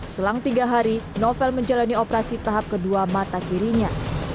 selang tiga hari novel menjalani operasi tahap kedua mata kirinya